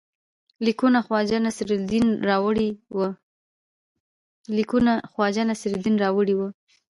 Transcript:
لیکونه خواجه نصیرالدین راوړي وه.